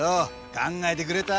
考えてくれた？